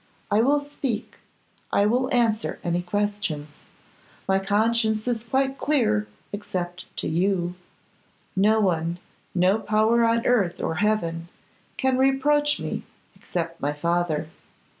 I will speak; I will answer any questions. My conscience is quite clear except to you; no one, no power on earth or heaven, can reproach me, except my father.